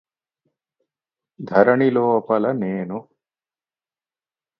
ధరణిలోపల నేను